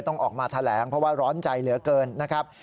ต้องออกมาแถลงเพราะว่าร้อนใจเหลือเกินนะครับ